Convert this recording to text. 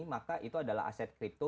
maka itu adalah aset kripto